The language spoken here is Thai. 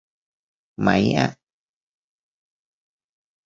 ไหมอะ